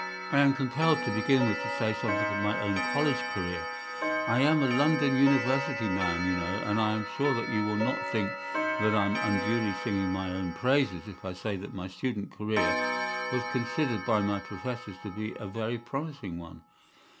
"I am compelled, to begin with, to say something of my own college career. I am a London University man, you know, and I am sure that you will not think that I am unduly singing my own praises if I say that my student career was considered by my professors to be a very promising one.